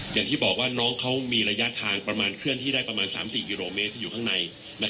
อย่างที่บอกว่าน้องเขามีระยะทางประมาณเคลื่อนที่ได้ประมาณ๓๔กิโลเมตรที่อยู่ข้างใน